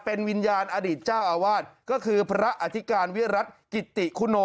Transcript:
เป็นวิญญาณอดีตเจ้าอาวาสก็คือพระอธิการวิรัติกิติคุณโน